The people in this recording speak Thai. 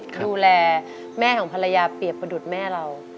ดูแลแม่ของภรรยาเปรียบประดุษแม่เรา